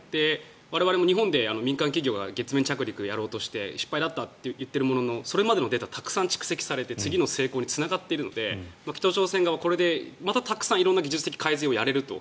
我々も日本で民間企業が月面着陸をしようとして失敗だったって言っているもののそれまでのデータはたくさん蓄積されて次の成功につながっているので北朝鮮側はこれでまたたくさん色んな技術的改善をやれると。